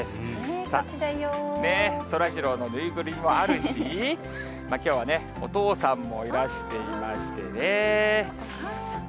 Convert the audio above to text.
さあ、そらジローの縫いぐるみもあるし、きょうはね、お父さんもいらしていましてね。